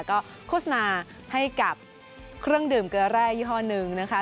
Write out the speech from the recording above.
ก็โฆษณาให้กับเครื่องดื่มเกลือแร่ยี่ห้อหนึ่งนะคะ